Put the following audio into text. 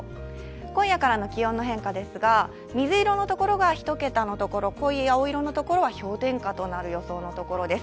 今夜からの気温の変化ですが、水色のところが１桁のところ、濃い青色のところは氷点下となる予想のところです。